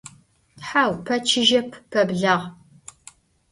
Hau peçıjep, peblağ.